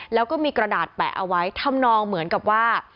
แล้วก็มีกระดาษแปะเอาไว้ทำนองเหมือนกับว่า